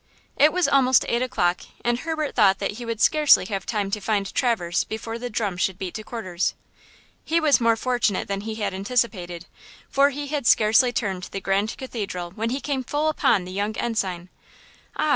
It was almost eight o'clock, and Herbert thought that he would scarcely have time to find Traverse before the drum should beat to quarters. He was more fortunate than he had anticipated, for he had scarcely turned the Grand Cathedral when he came full upon the young ensign. "Ah!